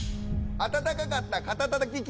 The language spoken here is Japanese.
温かかった肩たたき機。